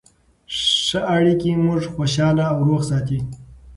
ښه اړیکې موږ خوشحاله او روغ ساتي.